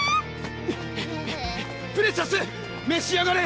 ふえプレシャスめし上がれ！